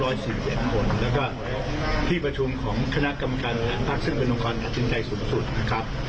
แล้วก็พี่ประชุมของคณะกรรมกรรมภาคศึกประนงคลอธินใจสุดนะครับ